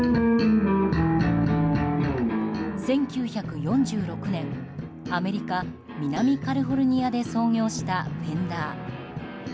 １９４６年アメリカ南カリフォルニアで創業したフェンダー。